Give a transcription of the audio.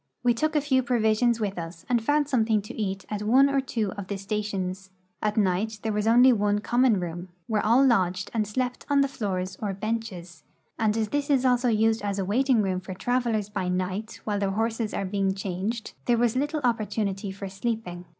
We took a few provisions with us and found something to eat at one or two of the stations. At night there was only one common room, where all lodged and slept on the floors or benches, and as this is also used as a waiting room for travelers by night while their horses are being changed, there was little opportunity for sleeping.